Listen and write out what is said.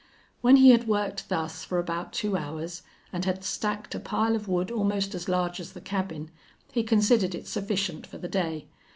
When he had worked thus for about two hours and had stacked a pile of wood almost as large as the cabin he considered it sufficient for the day.